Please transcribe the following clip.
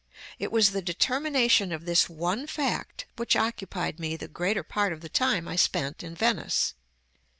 It was the determination of this one fact which occupied me the greater part of the time I spent in Venice.